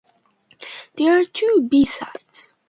There are two b-sides.